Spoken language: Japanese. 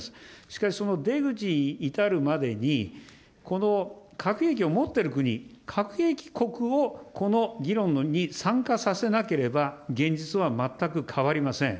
しかしその出口に至るまでに、この核兵器を持っている国、核兵器国をこの議論に参加させなければ、現実は全く変わりません。